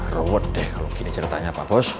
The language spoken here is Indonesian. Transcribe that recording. rowot deh kalau gini ceritanya pak buz